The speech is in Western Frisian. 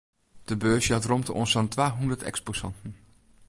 De beurs jout romte oan sa'n twahûndert eksposanten.